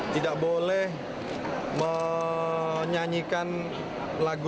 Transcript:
tidak boleh menyanyikan lagu